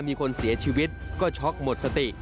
มีคนเสียชีวิตก็ช็อกหมดสติ